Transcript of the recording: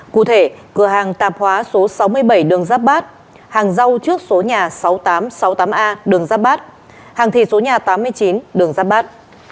cụ thể cửa hàng tạp hóa số sáu mươi bảy đường giáp bát hàng rau trước số nhà sáu nghìn tám trăm sáu mươi tám a đường giáp bát hàng thị số nhà tám mươi chín đường giáp bát